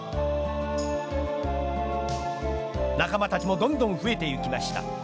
仲間たちもどんどん増えていきました。